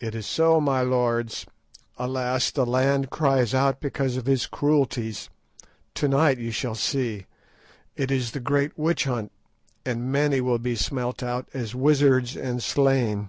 "It is so, my lords. Alas! the land cries out because of his cruelties. To night ye shall see. It is the great witch hunt, and many will be smelt out as wizards and slain.